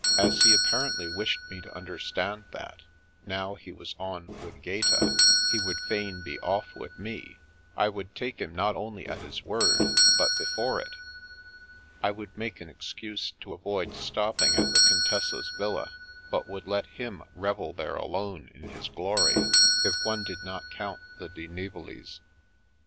As he apparently wished me to understand that, now he was on with Gaeta, he would fain be off with me, I would take him not only at his word, but before it. I would make an excuse to avoid stopping at the Contessa's villa, but would let him revd there alone in his glory ; if one did not count the Di Nivolis.